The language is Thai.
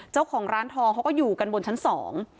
เจ้าของร้านทองเขาก็อยู่กันบนชั้นสอง